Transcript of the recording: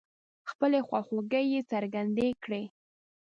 خپلې خواخوږۍ يې څرګندې کړې.